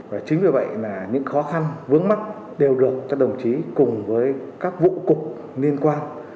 và chính vì vậy là những khó khăn vướng mắt đều được các đồng chí cùng với các vụ cục liên quan